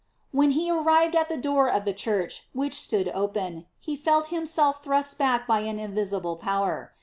When he arrived at the door of the church, which stood open, he felt himself thrust back by an invisible power.